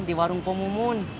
di warung pumumun